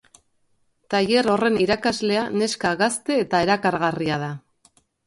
Tailer horren irakaslea neska gazte eta erakargarria da.